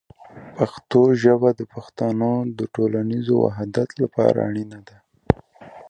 پښتو ژبه د پښتنو د ټولنیز وحدت لپاره اړینه ده.